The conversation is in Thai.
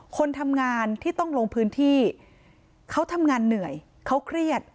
คนทำงานที่ต้องลงพื้นที่เขาทำงานเหนื่อยเขาเครียด